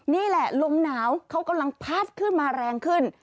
นี่แหละลมหนาวเขากำลังพัดขึ้นมาแรงขึ้น